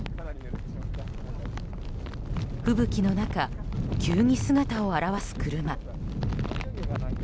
吹雪の中、急に姿を現す車。